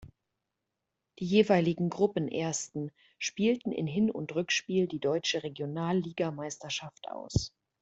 Die jeweiligen Gruppenersten spielten in Hin- und Rückspiel die Deutsche Regionalligameisterschaft aus.